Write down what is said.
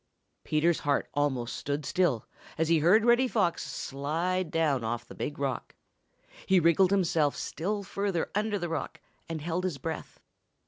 Peter's heart almost stood still as he heard Reddy Fox slide down off the big rock. He wriggled himself still further under the rock and held his breath.